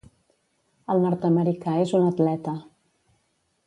El nord-americà és un atleta.